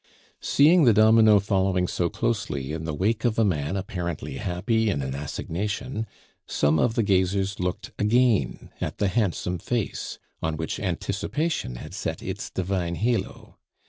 Seeing the domino following so closely in the wake of a man apparently happy in an assignation, some of the gazers looked again at the handsome face, on which anticipation had set its divine halo.